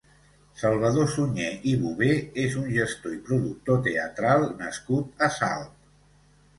Salvador Sunyer i Bover és un gestor i productor teatral nascut a Salt.